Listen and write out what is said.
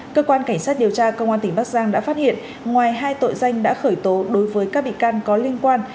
cơ quan cảnh sát điều tra công an tỉnh bắc giang đã phát hiện ngoài hai tội danh đã khởi tố đối với các bị can có liên quan